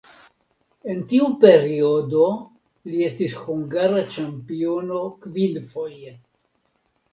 En tiu periodo li estis hungara ĉampiono kvinfoje.